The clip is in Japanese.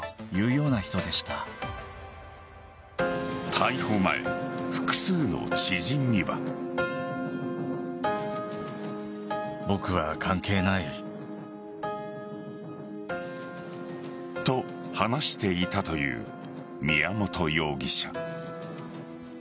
逮捕前、複数の知人には。と、話していたという宮本容疑者。